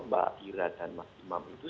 mbak ira dan mas imam itu